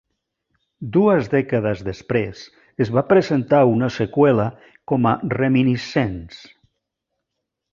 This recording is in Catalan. Dues dècades després, es va presentar una seqüela com a "Reminiscence".